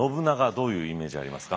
どういうイメージありますか。